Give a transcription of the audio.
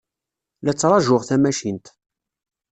La ttṛajuɣ tamacint.